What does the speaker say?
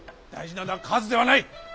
大事なのは数ではない。